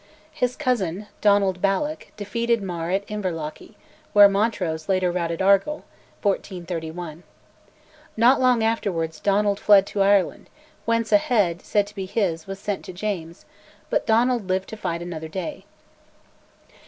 His cousin, Donald Balloch, defeated Mar at Inverlochy (where Montrose later routed Argyll) (1431). Not long afterwards Donald fled to Ireland, whence a head, said to be his, was sent to James, but Donald lived to fight another day.